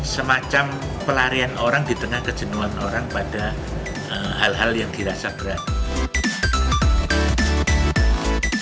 semacam pelarian orang di tengah kejenuhan orang pada hal hal yang dirasa berat